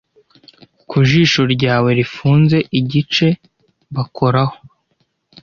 ku jisho ryawe rifunze igice bakoraho